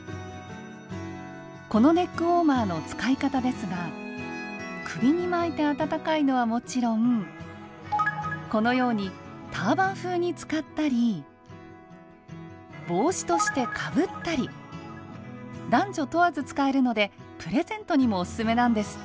このネックウォーマーの使い方ですが首に巻いて温かいのはもちろんこのようにターバン風に使ったり帽子としてかぶったり男女問わず使えるのでプレゼントにもおすすめなんですって。